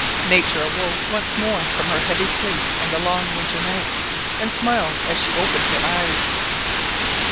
Nature awoke once more from her heavy sleep in the long winter night, and smiled as she opened her eyes.